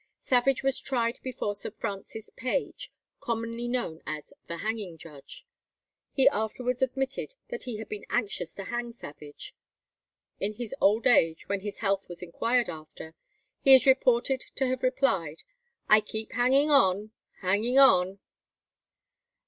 Savage was tried before Sir Francis Page, commonly known as "the hanging judge." He afterwards admitted that he had been anxious to hang Savage. In his old age, when his health was inquired after, he is reported to have replied, "I keep hanging on, hanging on."